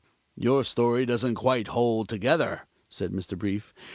"Your story doesn't quite hold together," said Mr. Brief.